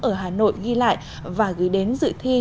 ở hà nội ghi lại và gửi đến dự thi